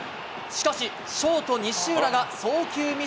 しかし、ショート、西浦が送球ミ